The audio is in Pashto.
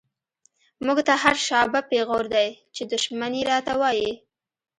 مونږ ته هر “شابه” پیغور دۍ، چی دشمن یی راته وایی